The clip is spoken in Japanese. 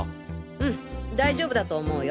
うん大丈夫だと思うよ。